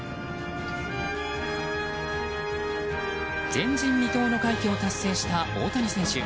前人未到の快挙を達成した大谷選手。